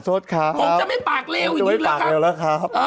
โอเคอ่านคราวกดแต่แต่ก็มีความน่ารัก